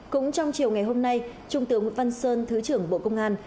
cũng trong chiều ngày hôm nay trung tướng nguyễn văn sơn thứ trưởng bộ công an